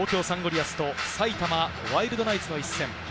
リアスと埼玉ワイルドナイツの一戦。